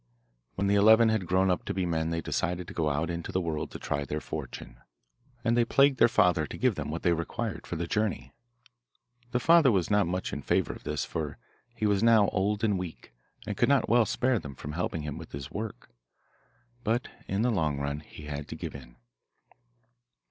When the eleven had grown up to be men they decided to go out into the world to try their fortune, and they plagued their father to give them what they required for the journey. The father was not much in favour of this, for he was now old and weak, and could not well spare them from helping him with his work, but in the long run he had to give in.